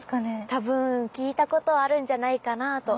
多分聞いたことはあるんじゃないかなと。